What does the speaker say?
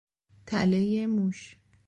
تلهی موش